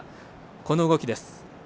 この動きです。